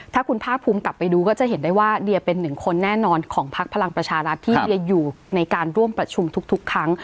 ถ้าคุณภาคภูมิกลับไปดูก็จะเห็นได้ว่าเดียเป็นหนึ่งคนแน่นอนของพักพลังประชารัฐที่เดียอยู่ในการร่วมประชุมทุกครั้ง